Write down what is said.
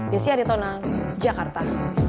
desya aritona jakarta